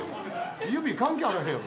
指関係あらへんやん。